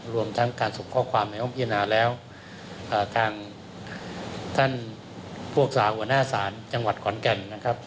รวมทั้งการส่งข้อความในห้องพิจารณาแล้วทางท่านพวกสหหัวหน้าศาลจังหวัดขอนแก่นนะครับ